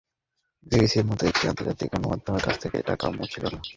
বিবিসির মতো একটি আন্তর্জাতিক গণমাধ্যমের কাছ থেকে এটা কাম্য ছিল না।